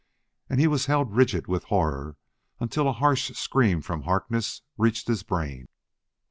And he was held rigid with horror until a harsh scream from Harkness reached his brain.